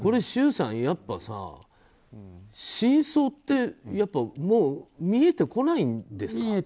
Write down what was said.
周さん、やっぱさ、真相ってもう見えてこないんですか？